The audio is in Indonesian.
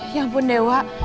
ya ampun dewa